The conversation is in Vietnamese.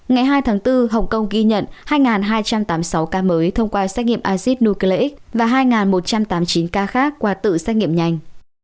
ngày hai tháng bốn hồng kông ghi nhận hai hai trăm tám mươi sáu ca mới thông qua xét nghiệm acid nucleic và hai một trăm tám mươi chín ca khác qua tự xét nghiệm nhanh